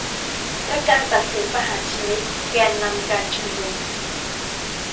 และการตัดสินประหารชีวิตแกนนำการชุมนุม